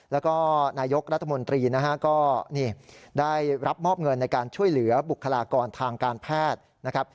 แล้วก็นายกรัฐมนตรีนะฮะก็ได้รับมอบเงินในการช่วยเหลือบุคลากรทางการแพทย์นะครับ